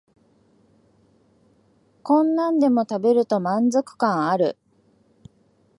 こんなんでも食べると満足感ある